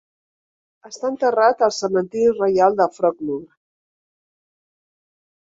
Està enterrat al cementiri reial de Frogmore.